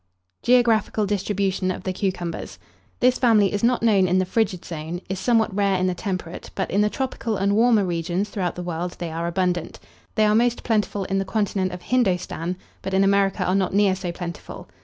GEOGRAPHICAL DISTRIBUTION OF THE CUCUMBERS. This family is not known in the frigid zone, is somewhat rare in the temperate, but in the tropical and warmer regions throughout the world they are abundant. They are most plentiful in the continent of Hindostan; but in America are not near so plentiful.